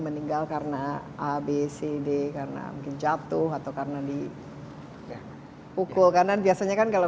meninggal karena abcd karena mungkin jatuh atau karena di pukul karena biasanya kan kalau